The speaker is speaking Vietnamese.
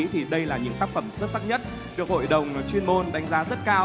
thì đây là những tác phẩm xuất sắc nhất được hội đồng chuyên môn đánh giá rất cao